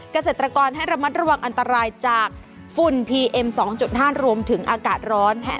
เกษตรกรให้ระมัดระวังอันตรายจากฝุ่นพีเอ็ม๒๕รวมถึงอากาศร้อน